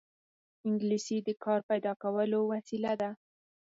انګلیسي د کار پیدا کولو وسیله ده